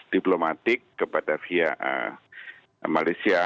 diplomatik kepada via malaysia